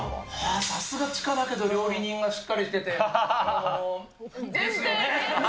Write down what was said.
さすが地下だけど料理人がしっかですよね。